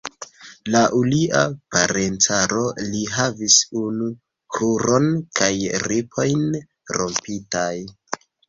Laŭ lia parencaro, li havis unu kruron kaj ripojn rompitaj.